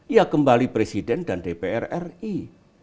ya kembali presiden dan dprs